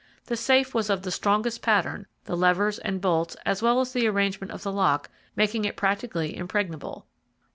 The safe was of the strongest pattern; the levers and bolts, as well as the arrangement of the lock, making it practically impregnable.